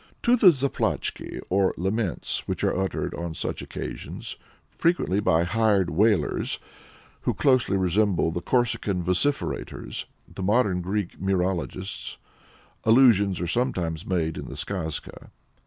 To the zaplachki, or laments, which are uttered on such occasions frequently by hired wailers, who closely resemble the Corsican "vociferators," the modern Greek "myrologists" allusions are sometimes made in the Skazkas.